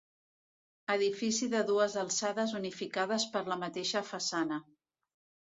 Edifici de dues alçades unificades per la mateixa façana.